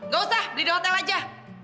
gak usah di hotel aja